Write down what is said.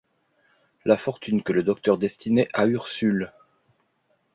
La fortune que le docteur destinait à Ursule.